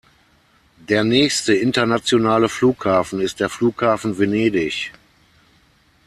Der nächste internationale Flughafen ist der Flughafen Venedig.